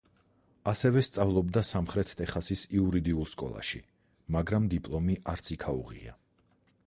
ასევე სწავლობდა სამხრეთ ტეხასის იურიდიულ სკოლაში, მაგრამ დიპლომი არც იქ აუღია.